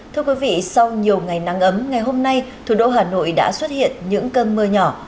thưa quý vị sau nhiều ngày nắng ấm ngày hôm nay thủ đô hà nội đã xuất hiện những cơn mưa nhỏ